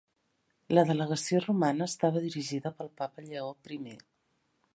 La delegació Romana estava dirigida pel Papa Lleó I.